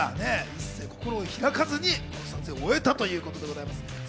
一切、心を開かずに撮影を終えたということです。